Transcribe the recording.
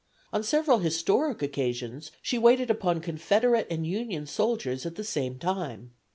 On several historic occasions she waited upon Confederate and Union soldiers at the same time.